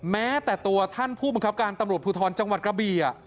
แม้แต่ตัวท่านผู้บังคับการตำรวจภูทรจังหวัดกระบี